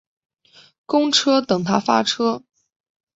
公车等他发车